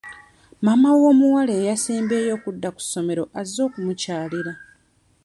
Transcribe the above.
Maama w'omuwala eyasembyeyo okudda ku ssomero azze okumukyalira.